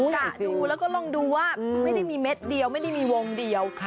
กะดูแล้วก็ลองดูว่าไม่ได้มีเม็ดเดียวไม่ได้มีวงเดียว